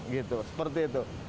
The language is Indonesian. gitu seperti itu